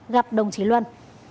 gặp đồng chí luân